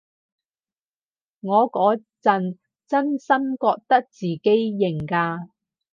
我嗰陣真心覺得自己型㗎